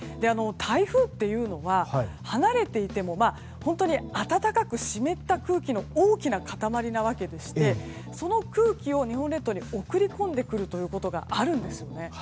台風というのは離れていても暖かく湿った空気の大きな塊なわけでしてその空気を日本列島に送り組んでくることがあるんです。